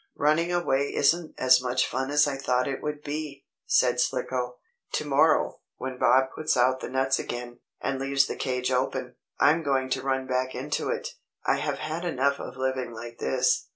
Running away isn't as much fun as I thought it would be!" said Slicko. "To morrow, when Bob puts out the nuts again, and leaves the cage open, I'm going to run back into it. I have had enough of living like this.